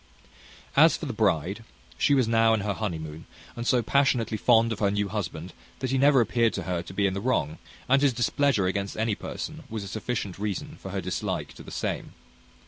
As for the bride, she was now in her honeymoon, and so passionately fond of her new husband that he never appeared to her to be in the wrong; and his displeasure against any person was a sufficient reason for her dislike to the same.